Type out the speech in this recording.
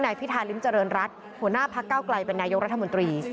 พิธาริมเจริญรัฐหัวหน้าพักเก้าไกลเป็นนายกรัฐมนตรี